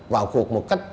vào cuộc một cách